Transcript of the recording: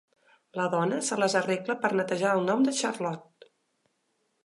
La dona se les arregla per netejar el nom de Charlot.